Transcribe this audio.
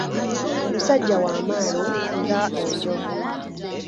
Omusajja wa maanyi nga Enjovu.